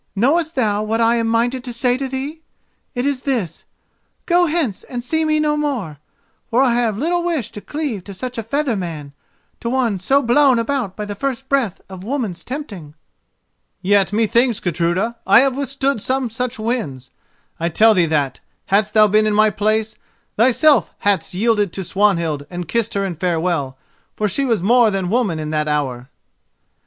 Knowest thou what I am minded to say to thee? It is this: 'Go hence and see me no more;' for I have little wish to cleave to such a feather man, to one so blown about by the first breath of woman's tempting." "Yet, methinks, Gudruda, I have withstood some such winds. I tell thee that, hadst thou been in my place, thyself hadst yielded to Swanhild and kissed her in farewell, for she was more than woman in that hour."